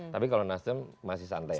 tapi kalau nasdem masih santai